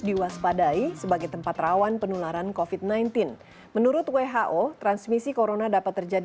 dok bisa dijelaskan seperti apa penyebaran virus corona